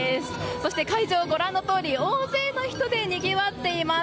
そして会場、ご覧のとおり大勢の人でにぎわっています。